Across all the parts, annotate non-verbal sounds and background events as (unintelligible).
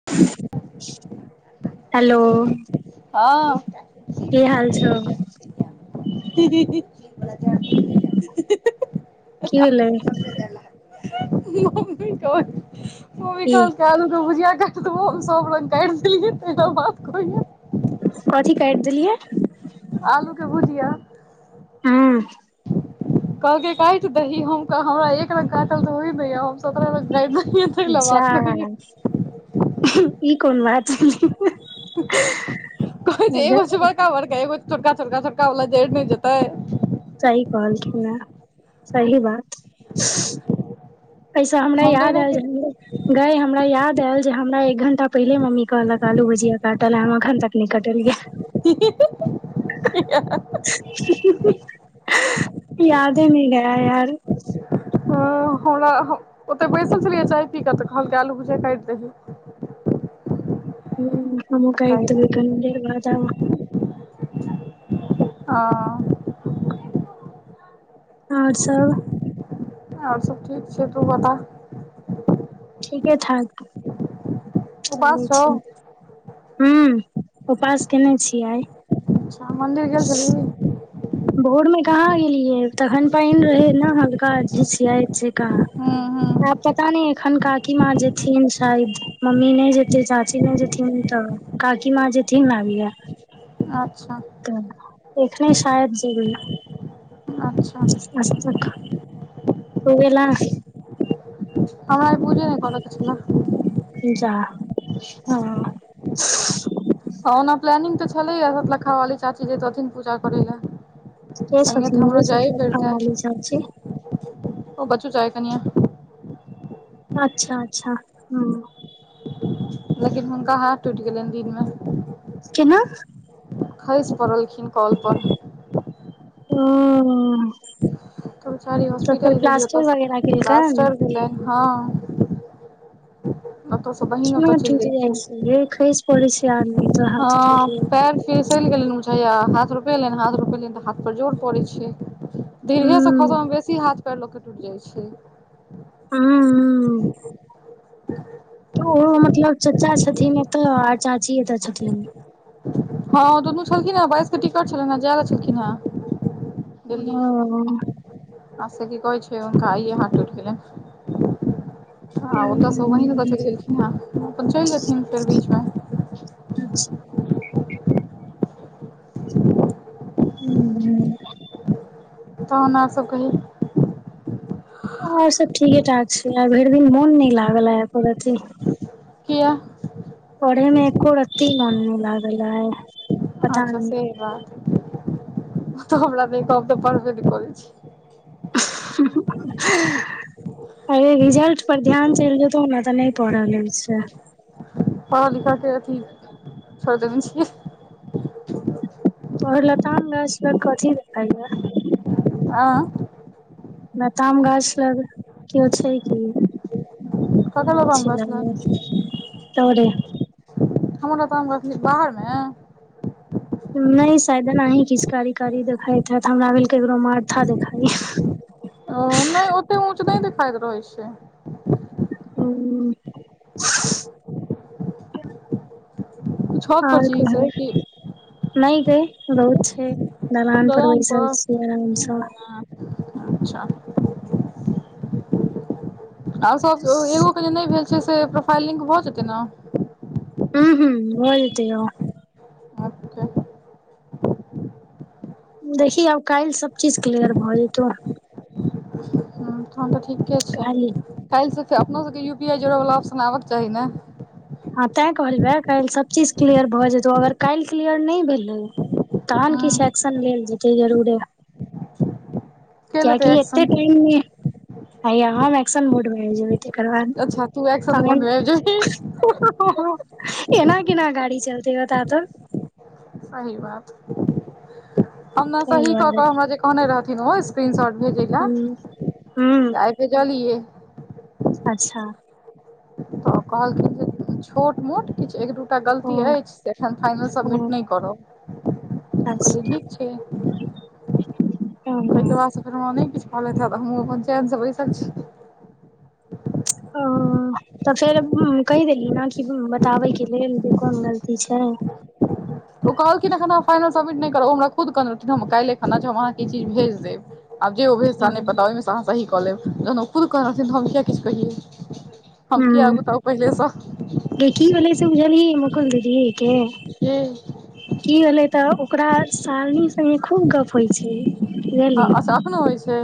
(unintelligible) Hello हं की हाल छौ की (unintelligible) भेलै की (unintelligible) (unintelligible) कथी काइट देलियै आलू के भुजिया हँ कहलकै काइट दही हम-हमरा एक रंग काटल तऽ होय नय या सत्रह रंग काटि देलियै तै ले जा बात कहय यै। ई कोन बात भेलै। कहय छै एगो छै बड़का बड़का एगो छोटका छोटका छोटका वाला जड़ि नहि जेतै। सही कहलखिन यै सही बात। पैसा हमरा हम तऽ याद ओहिना आयल जे हमरो। गय हमरा याद आयल जे हमरा एक घंटा पहिले मम्मी कहलक आलू भुजिया काटय ला हम अखन तक नै कटलया। (inaudible) यादे नै रहय यार। हँ हमरा हम ओतऽ बैसल छलियै चाय पी कऽ तऽ कहलक आलू भुजीया काटि दही। ह्म हमु काइट देबै कनि देर बाद आब। ह। आओर सब। आओर सभ ठीक छै तू बता। ठीके ठाक। चलय उपास छौ छी ह्म उपास केने छि आइ। अच्छा मन्दिर गेल छललि। भोर मे कहाँ गेलियै तखन पानि रहे ने हल्का झिसियाइत। हूँ छेकहऽ आ हूँ पता नै एखन काकी माँ जे थिन शायद मम्मी नहि जेतै चाची नहि जेथिन तऽ काकी माँ जेथिन लागैया। अच्छा। तऽ एखने शायद जेबै। अच्छा (unintelligible) तो वेला। हमरा आई पूजे नहि कर के छलेह। जा ह। हँ ओना प्लानंग तऽ छलैया सतलखा वाली चाची जेतथिन पूजा करै लए। के सङ्गे तऽ छथिन यै हमरो जाइ सुर्यरेखा फिरते वाली चाची ओ बचू चाह कनियाँ। अच्छा अच्छा ह। लेकिन हुनका हाथ टूटि गेलनि दिनमे। केना? खैसि पड़लखिन कोल पर। ओह त बेचारी हॉस्पिटल गेलिय ओतऽ प्लास्टर सँ वगैरह केलकैन प्लासटर भेलेन हँ। ओतऽ सँ (unintelligible) बहिन केना ओतऽ चलि टूट जाइ गेलखिन छै यै खइस पड़ै छै आदमी त हाथ टुटि जाय छै। फसलि गेल मुझैया हाथ रोपेलेन हाथ रोपेलेन तऽ हाथ पर जोर पड़ै छैय धीरिहे से हूँ खसऽ मे बेसी हाथ पैर लोक के टुट जाइ छै। हँ हँ तऽ ओहो मतलब चाचा छथिन एतऽ आ चाची एतऽ छथिन। हँ दुनू छलखिन हेँ बइस के टिकट छलनि हे जाय ल छलखिन हेँ। ह ह। आब से की कहै छै उनका आइए हात टुटि गेलन।। हँ ओतऽसँ ओ बहिन ओतनऽ चलि गेलखिन हेँ अपन तऽ चलि एथिन फेर बीच मे अचछ (unintelligible) हुं। तखन आर सभ कहु। और सब ठीके ठाक छै, आइ भरि दिन मन नहि लागल एको रती। कियै। पढ़ै मे एको रत्ती मन नै लागल आइ। अच्छा से बात, ओ तऽ हमरा नहि कहब तऽ पढबे नै करै छी। सु (unintelligible) अरे रिजल्ट पर ध्यान चलि जेतै ने तऽ नहि पढ़ल होइ छै। पढ़ा लिखा के अथी छोड़ि देने छियै। और लताम गाछ लग कथी देखैये। एं। लताम गाछ लग केओ छै की। ककर नै आम छै गाछ लग मे, लागल तरे हमर लताम लग मे बाहरमे। नहि सायद अनाही किछ कारी कारी देखाइत हैत हमरा भेल ककरो माथा देखाइये। नहि ओते ऊंच नहि देखाइत रहै छै। हुं। छत पर आर छी कहियौ, से कि नहि बहुत रौद छै। दलान पर बैसल छियै आरामसँ। अच्छा। आर सब एगो के जे नहि भेल छै से प्रोफाइल लिंक भऽ जेतै ने। हुं हुं, भ जेतै तैयो। अच्छा। देखि आब काल्हि सब चीज क्लियर भऽ जेतै। हँ तहन तऽ ठीके छै। काल्हि। काल्हिसँ अपनो सबके यू पी आइ जोड़ैले ऑप्सन आबऽ चाही ने। हँ तैं कहलियै काल्हि सभ चीज क्लियर भऽ जेतहुँ, अगर काल्हि क्लियर नहि भेलौ तखन हँ किछु एक्शन लेल जेतै जरुरे। के कियाकि लेतै एते एक्शन टाइम मे हम एक्शन मूड मे आबि जेबै। तकर बाद अच्छा तू एक्शन कोन मोडमे आबि जेबही एना केना गाड़ी चलतै बताउ त। सही बात, हम ने ताहि सही कऽ दुआरे क अहांके कहने रहथिन ओ स्क्रीन शॉट भेजे ला हुं हुं आइ भेजलियै। अच्छा। तऽ कहलखिन जे छोट मोट किछु एक दूटा ओ गलती अछि से एखन फाइनल ओ सबमिट नहि करब। हम कहलियै ठीक छै। सैह न। अखैन त हमरा नै किछु कहलैथे, हमहु अपन चैन से बैसल छी। ओ तऽ फेर कहि देलियै ने कि बताबै के लेल जे कोन गलती छै। ओ कहलखिन एखन हमरा फाइनल सबमिट नहि करब ओ हमरा खुद कहने रहथिन हम काल्हिए हम अहाँकेँ ई चीज भेज देब। आब जे ओ भेज स नहि पता ओहिमेसँ अहाँ सही कऽ लेब जखन ओ खुद कहै रहथिन तऽ हम किए किछु कहियै। हम किया आगुताउ पहिलेसँ। गै की भेलै से बुझलही मकल दीदीये के। नै। की भेलय तऽ ओकरा सालनी सबमें खूब गप होय छै। आ अच्छा अखनो होय छै।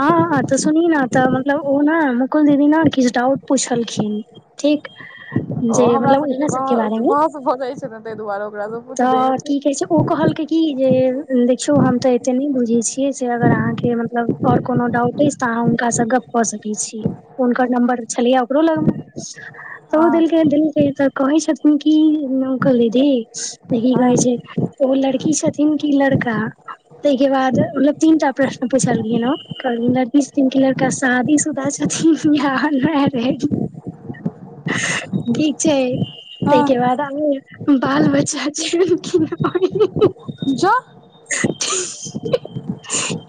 हां-हां तै सुनही नै तऽ मतलब ओ नै मुकुल दीदी नै किछ डाउट पूछलखिन्ह। ठीक ओ जे हमरा मतलब जे उहे सबके बहस बारे मे बहस भऽ जाए छै नै तै दुआरे ओकरा से तऽ हां की कहय छै। ओ कहलकै की जे देखियौ हम तऽ एते नै बुझय छियै से अगर अहाँके मतलब और कोनो डाउट ऐछ तै अहाँ हुनका से गप्प कऽ सकय छी, हुनकर नम्बर छलय यै ओकरो लग मे तबो हँ देलके यै दुनु कही तऽ कहै छथिन कि (unintelligible) दीदी त की हँ कहय छै तऽ ओ लड़की छथिन की लड़का? तै के बाद मतलब तीनटा प्रश्न पूछलखिन्ह ओ कहलखिन्ह लड़की छथीन की लड़का? शादीशुदा छै (unintelligible) ठीक छै तै के हँ बाद आब बाल-बच्चा छै की नै बहीन ज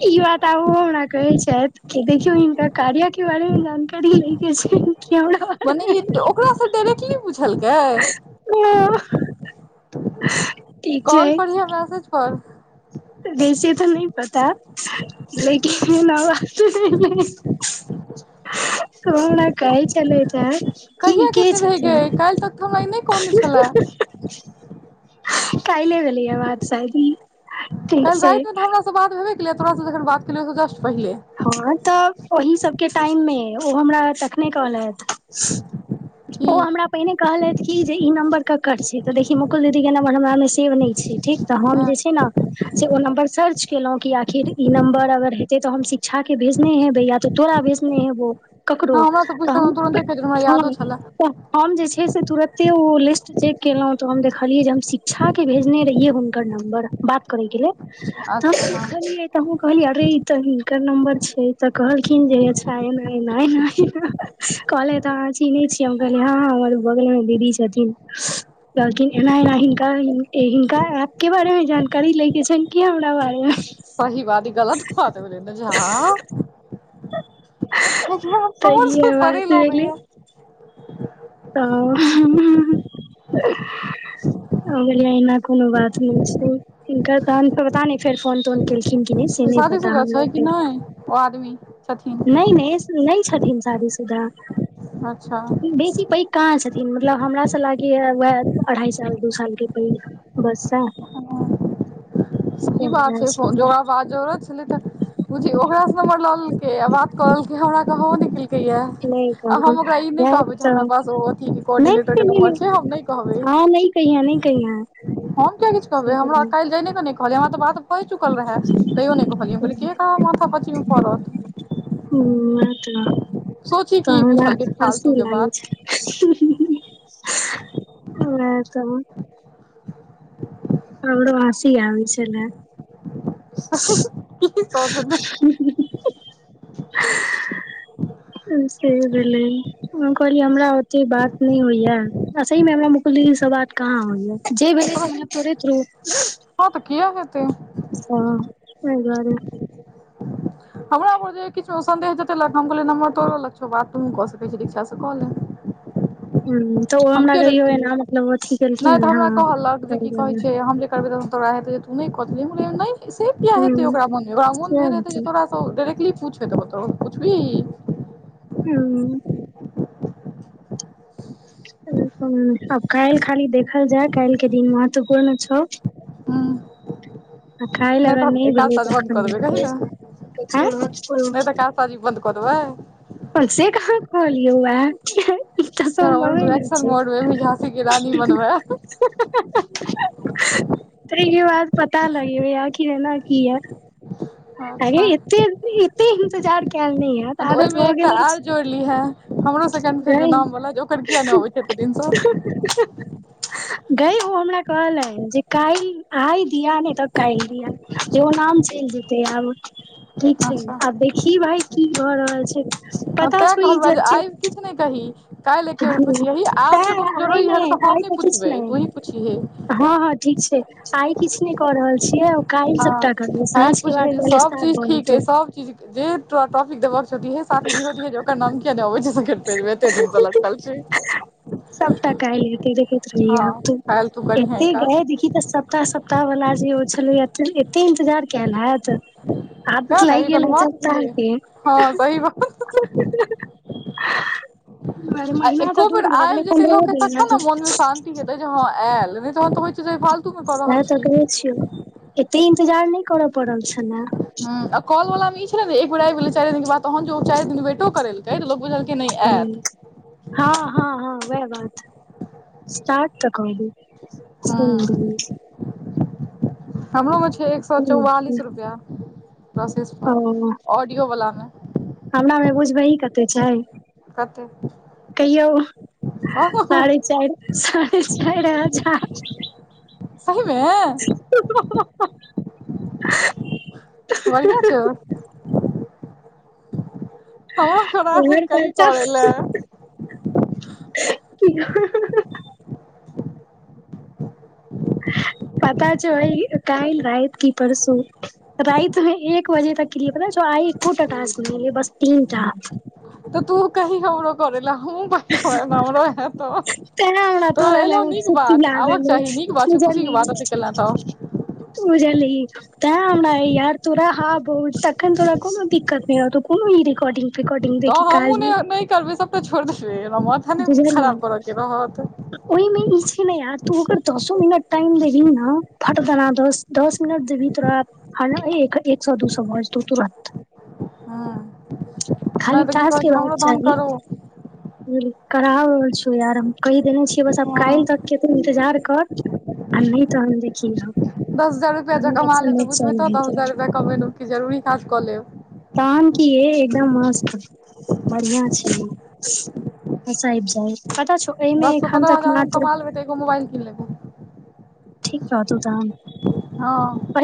ई बात आब ओ हमरा कहय छैथ कि देखियौ हिनका कार्या के बारे मे जानकारी लै के छै। कि हमरा बारे मने ई ओकरा से डायरेक्टली पुछलकै? (unintelligible) कॉल पर या मैसेज पर? यै से तै नै पता लेकिन हमरा (unintelligible) ओ हमरा कहय छलैथ हें। कहिया केनय रहय गे काएल तक तै हमरा ई नै कहनै छलै। काएले भेलय यै बात शायद ई ठीक काएल छै राएत मे तै हमरा से बात भेबै केलय यै तोरा से जखन बात केलियौ ओय से जस्ट पहले। हां तै ओहि सबके टाइम मे ओ हमरा तखने कहलैथ। कि ओ हमरा पहिने कहलैथ कि जे ई नम्बर ककर छीयै तऽ देखी मुकुल दीदीके नम्बर हमरा मे सेव नै छै ठीक तऽ हम हँ जे छै नै से ओ नम्बर सर्च केलौं कि आखिर ई नम्बर अगर हेते तै हम सि छा के भेजने हैबय या तै तोरा भेजने हेबौ। हँ ककरो हमरासँ तऽ पुछतै हम हां तुरन्ते कहि देबै हमरा यादो छलए त हम जे छै से तुरते ओ लिस्ट चेक केलौ तऽ हम देखलियै जे हम शिक्षा के भेजने रहिए हुन कर नम्बर बात करय के लिए त हम अच्छा हँ देखलियै त हम्हु कहलिए अरे ई तै ओकर नम्बर छै तऽ कहलखिन्ह जे अच्छा एना-एना-एना-एना कहलैथ अहाँ चिन्हय छियै हम कहलीए हां हमर बगले मे दीदी छथिन। कहलखिन एना-एना हिनका ए हिनका ऐप के बारे मे जानकारी ले के छै की हमरा बारे मे? सही बात ई गलत बात भेलय नै जे हां मतलब आब तऽ समझ इहे से पड़े बात लागय यै। हां हम कहलिए एहना कुनु बात नै छै, हिनकर तहन पता नै फेर फोन-तोन केलखिन की नै से नै पता शादीशुदा हमरा छै कि फेर नहि ओ आदमी छथिन नै-नै-नै छथिन शादी-सुधा। अच्छा। बेसी पैग कहाँ छथिन मतलब हमरा से लागेया वाएह अढ़ाई साल दू साल के पैग बरसा। सही बात छै फो जो आब जरूरत छलै तऽ बुझी ओकरा से नंबर ल लेलकै आ बात करलकै हमरा कहबो नै केल क नहि आ कहलखुन हम ओकरा ई नै वैह कहबे हमरा तऽ पास ओ अथी नहि कोर्डिनेटर के नम्बर छै, हम नै कहबै। कहिय नै कहिय। हम किआ किछ कहबै, हमरा काल्हि जायने के नै कहलिये हमरा तऽ बात होय चुकल रहे तैयो नै कहलियै हम कहलियै ककरा माथा पच्ची मे पड़त। हूं आ सोची त की हमरा बुझलकै हँसि फालतू के लागै बात छै। हमरा तऽ। हमरो हासी आबै छले। की सोचत हे। से भेलै हम कहलियै हमरा से बात नै होइया अ सही में हमरा मुकुल दीदी स बात कहाँ होइया। जे भेले से हमरा तोड़े थ्रू। हां तऽ किओ हेते। अच्छा तेय दुआरे हमरा पर जे किछो सन्देशह जेतेलक हम कहलियै नमर तोड़ो लग छौ, बात तुहू कऽ सकै छी दीक्षा से कऽ ले। हूँ तऽ ओ हम हमरा किय कहियो रखतिये एना मतलब अथी नै केलखिन ने तऽ हमरा हँ कहलक जे तहि की कहै दुआरे छै हम ब तोरा हेते तू नै क दल्हि हम कहलियै नै से किआ हेते हूँ ओकरा मोन मे सेह भेल हेते जे हेतै तोरा तऽ उ डायरेक्टली पूछैत होतौ पुछभी। हुं। आब काएल खाली देखल जाय, काएल के दिन महत्वपूर्ण छौ। हुं। आ काल्हि नै अगर तऽ हम नहि ऐ भेलै काज-ताज बन्द तखन कऽ देबै कही देखल ने नै तऽ काज-ताज ई बन्द कऽ देबै। (unintelligible) से कहाँ कहलियौ आए। ई त सम्भवे नै रिएक्शन छै। मोड मे भी झाँसी की रानी बनबै तैयो आब पता लगेबै आखिर एना किया। अ गे अच्छा एते, एते इन्तजार काएल नै हैतऽ तऽ आदत ओहिमे भऽ एकटा गेल आर एछ। जोड़लीहे हमरो सेकेंड फेज मे गैय। नाम वाला जे ओकर किया नहि अबै छै एते दिन सँ गै ओ हमरा कहलैन जे काएल आय दिया नै त काएल दिया जे ओ नाम चैल जेतै आब। की छै, अच्छा आब देखी भाय की भऽ रहल छै पता छौ ई ज चेक किछ नै कहि। काएल एके बेर पुछयही आब तैं जे कुनू आइ जरूरी नहि हेतै तऽ हम आइ नै किछु पुछबै नहि तूही पुछियेहे। हँ हँ ठीक छै, आय किछ नै कऽ रहल छियै ओ। हां काएल पूछियेह जे सब स्टार्ट चीज भऽ ठीक अय जेतौ सब चीज के जे तोरा टॉपिक देबा के छौ दिहे, साथ मे ईहो दिहे जे ओकर नाम के किया नै आबै छै सेकेंड पेज मे एते दिन से लटकल छै। सबटा काएल हेतै देखैत रही आब हँ तु काल्हि तू करीहे ई एते काज गै देखि ते सप्ताह-सप्ताह वला जे ओ छलैया त एते इन्तजार कैल हैत, आदत तें ने लाग ई कोनो गेलै बात सप्ताह भेलै के। हँ सही बात अरे आ महिना त एको दूर भ गेल भ गेल इहाँ त। शांति हेतै जे ह ऐल नहि तहन तऽ होए छै जे फालतू में कऽ रहल छी छियए एते इंतजार नहि कर पड़ल छेला हं आ कॉल वाला मे ई छलै ने एक बेर आबि गेलै चारिये दिन के बाद तहन जे ओ चारि दिन वेटो करेलकै त लोक बुझलकै नहि हूं आयत हँ हँ हँ वेह बात स्टार्ट तऽ कऽ दै छोड़ि हूं देलिये हमरो में छै एक सौ चौवालिस रुपया प्रोसेस ओ पर ऑडियो बला मे हमरा मे बुझबही कते छय कतेऽ कहियौ साढ़े चारि साढ़े चारि हजार सही में हं हं हं ह्ह बढ़ियां छौ हऽ हमरा में कही करै ल‌ए कि ह हं हं हं पता छौ ई काल्हि राति की परसू राइत मे एक बजे तक केलिए पता छौ आइ एकोटा टास्क नै एलै बस तीनटा तऽ तू कही हमरो करै ला हमूं बनेबै त हमरो हेत तऽ तैहै हमरा तोरा ल‌ए उतसुक्ति आबक लागल अए चाही नीक बात छौ खुशी के बुझलही बात ओते केला तऽ बूझलही तैंहै हमरा यार तोरा हां बहुत तखन तोरा कोनो दिक्कत नहि हेतौ कोनो ई रेकॉर्डिंग फेकॉ तऽ हमहूँ नै ओ नहि करबै सबटा छोड़ि देबै हमरा माथ बुझलियै ओहिमे ई छै ने यार तू अगर दसो मिनट टाइम देबही नऽ फटदना दस दस मिनट देबही तोरा हं एक एक सौ दू सौ भ जेतौ तुरत हँ खाली नै तऽ की टास्क कहै के छै रहक हमरो तहन चाही करू करा रहल छियो यार हम कहि देने छियै बस आब काल्हि हँ तक के तऽ इन्तजार कर आ नहि तहन देखियन ह दस हजार रुपैया ज कमा लेब तऽ बुझबै तऽ ले दस चल हजार रुपया कमेलौ कि जरुरी काज कऽ लेब तहन की ए एकदम मस्त बढ़िया छैहि बस आबि जाई पता छौ एहिमे एखन तक मात्र ओमे तऽ एगो मोबईल किन लेैबो ठीक रहतौ तहन हँ